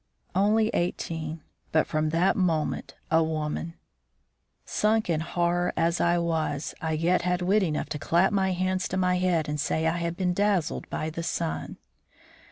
Only eighteen, but from that moment, a woman. Sunk in horror as I was, I yet had wit enough to clap my hands to my head and say I had been dazzled by the sun.